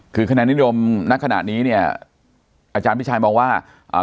คือคะแนนนิดลมนักขนาดนี้เนี่ยอาจารย์พี่ชายมองว่าอ่า